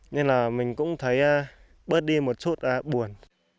nên là mình cũng thấy bớt đi một chút buồn